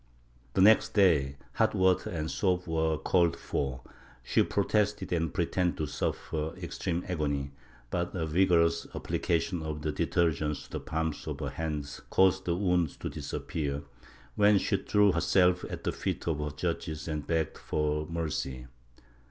The next day, hot water and soap were called for; she protested and pretended to suffer extreme agony, but a vigorous application of the detergents to the palms of her hands caused the wounds to disappear, when she threw herself at the feet of her judges and begged for mercy.